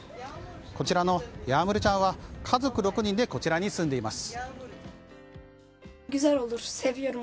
こちらのヤームルちゃんは家族６人でこちらに住んでいます。